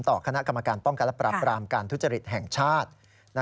คณะกรรมการป้องกันและปรับปรามการทุจริตแห่งชาติ